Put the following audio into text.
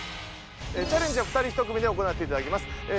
チャレンジは２人１組で行っていただきます。